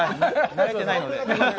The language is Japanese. なれてないので。